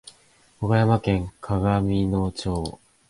岡山県鏡野町